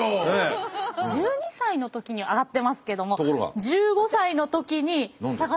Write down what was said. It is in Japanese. １２歳の時に上がってますけども１５歳の時に下がってしまいました。